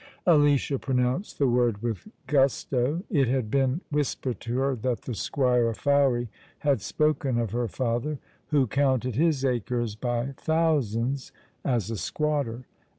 Alicia pronounced the v\^ord with gusto. It had been whispered to her that the squire of Fowey had spoken of her father — who counted his acres by thousands — as a Fquatter.